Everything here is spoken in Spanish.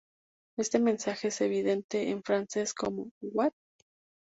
Este mensaje es evidente en frases como: "What?